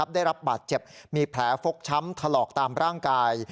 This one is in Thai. ได้รับบาดเจ็บมีแผลฟกช้ำถลอกตามร่างกาย